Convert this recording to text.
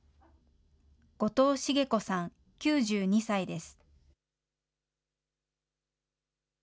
後藤繁子さん９２歳です。